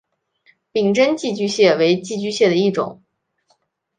柄真寄居蟹为寄居蟹的一种。